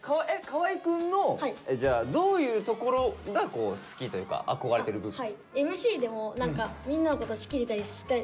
河合くんのじゃあどういうところが好きというか憧れてる部分。